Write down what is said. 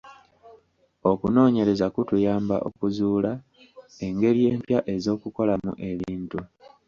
Okunoonyereza kutuyamba okuzuula engeri empya ez'okukolamu ebintu.